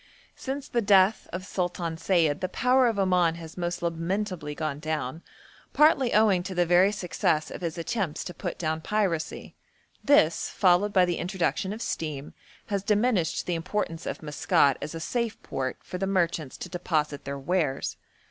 Since the death of Sultan Sayid the power of Oman has most lamentably gone down, partly owing to the very success of his attempts to put down piracy; this, followed by the introduction of steam, has diminished the importance of Maskat as a safe port for the merchants to deposit their wares.